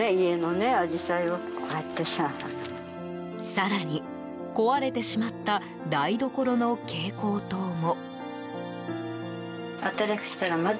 更に、壊れてしまった台所の蛍光灯も。